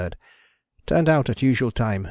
Turned out at usual time, 5.